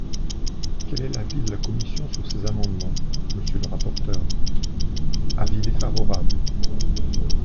Quel est l’avis de la commission sur ces amendements, monsieur le rapporteur ? Avis défavorable.